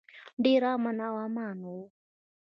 ډیر امن و امان و.